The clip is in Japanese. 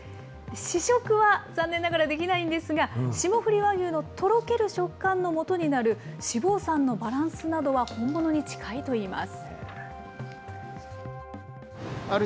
試食は残念ながらできないんですが、霜降り和牛のとろける食感のもとになる脂肪酸のバランスなどは本物に近いといいます。